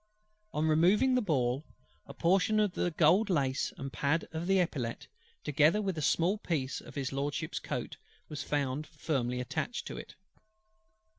On removing the ball, a portion of the gold lace and pad of the epaulette, together with a small piece of HIS LORDSHIP'S coat, was found firmly attached to it.